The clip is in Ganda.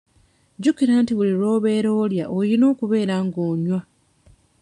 Jjukira nti buli lw'obeera olya olina okubeera nga onywa.